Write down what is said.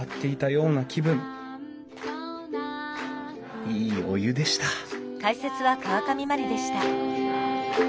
いいお湯でした